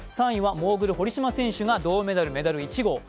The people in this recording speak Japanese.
３位はモーグル・堀島選手が銅メダル、メダル１号。